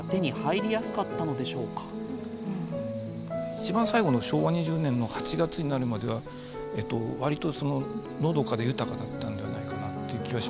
一番最後の昭和２０年の８月になるまでは割とのどかで豊かだったんではないかなっていう気はしますね。